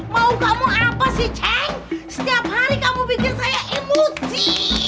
mau kamu apa sih ceng setiap hari kamu pikir saya emosi